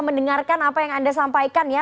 mendengarkan apa yang anda sampaikan ya